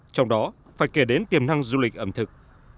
trong đó phải kể đến tiềm năng du lịch ẩm thực